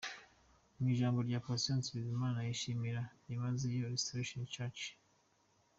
Mu ijambo rye Patient Bizimana yashimiye byimazeyo Restoration church.